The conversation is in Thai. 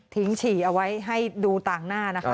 ฉี่เอาไว้ให้ดูต่างหน้านะคะ